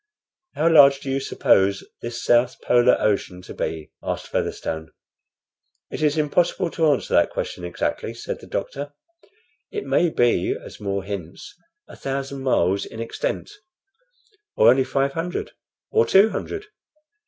"How large do you suppose this south polar ocean to be?" asked Featherstone. "It is impossible to answer that question exactly," said the doctor. "It may be, as More hints, a thousand miles in extent, or only five hundred, or two hundred.